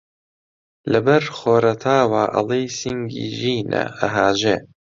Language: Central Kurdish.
لەبەر خۆرەتاوا ئەڵێی سینگی ژینە ئەهاژێ